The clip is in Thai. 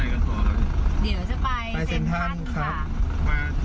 ผู้ถูกบอกว่าอยู่แล่วนะพี่